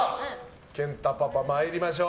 健太パパ、参りましょう。